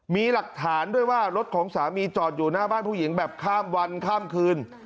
มีหลักฐานด้วยว่ารถของสามีจอดอยู่หน้าบ้านผู้หญิงแบบข้ามวันข้ามคืน